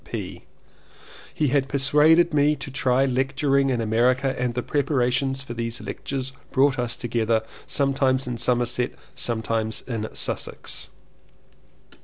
C. P. He had persuaded me to try lecturing in America and the prepar ations for these lectures brought us much together sometimes in Somerset, sometimes in Sussex.